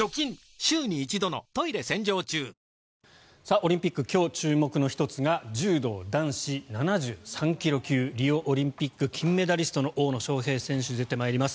オリンピック今日注目の１つが柔道男子７３ｋｇ級リオオリンピック金メダリストの大野将平選手、出てまいります。